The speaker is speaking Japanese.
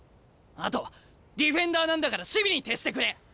あとディフェンダーなんだから守備に徹してくれ！